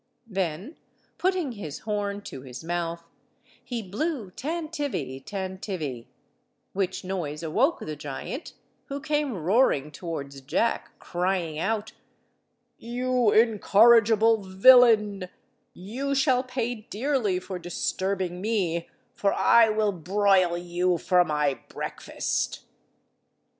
Then, putting his horn to his mouth, he blew tan–tivy, tan–tivy, which noise awoke the giant, who came roaring towards Jack, crying out— "You incorrigible villain, you shall pay dearly for disturbing me, for I will broil you for my breakfast."